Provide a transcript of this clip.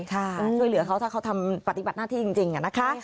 ช่วยเหลือเขาถ้าเขาทำปฏิบัติหน้าที่จริงนะคะ